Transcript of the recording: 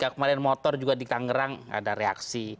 ketika kemarin motor juga dikangerang ada reaksi